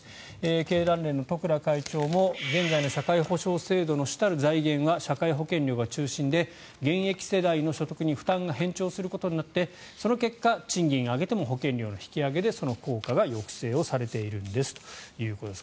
経団連の十倉会長も現在の社会保障制度の主たる財源は社会保険料が中心で現役世代の所得に負担が偏重することになってその結果、賃金を上げても保険料の引き上げでその効果が抑制されているんですということです。